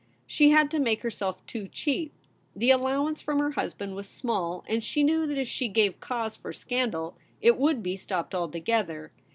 She had to make herself too cheap. The allowance from her husband was small, and she knew that if she gave cause for scan dal it would be stopped altogether.